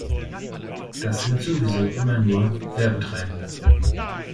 Das sind sowieso immer nur Werbetreibende.